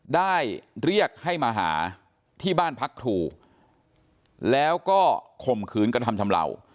ได้เรียกให้มาหาที่บ้านพักครูแล้วก็ข่มขืนกระทำชำเหล่า